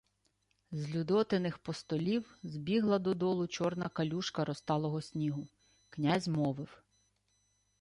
З Людотиних постолів збігла додолу чорна калюжка розталого снігу. Князь мовив: